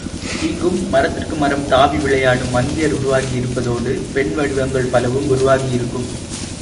இங்கும் மரத்திற்கு மரம் தாவி விளையாடும் மந்தியர் உருவாகி இருப்பதோடு, பெண் வடிவங்கள் பலவும் உருவாகி இருக்கும்.